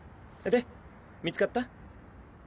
で見つかった？